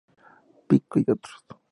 Pico y otros.